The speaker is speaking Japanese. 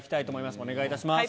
お願いいたします。